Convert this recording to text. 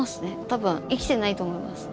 多分生きてないと思います。